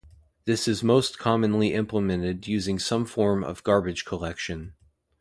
This is most commonly implemented using some form of garbage collection.